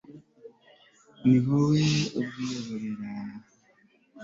ni wowe ubwiyoborera